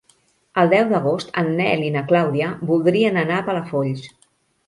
El deu d'agost en Nel i na Clàudia voldrien anar a Palafolls.